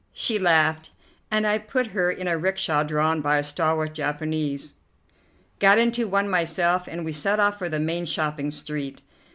She laughed, and I put her in a 'rickshaw drawn by a stalwart Japanese, got into one myself, and we set off for the main shopping street.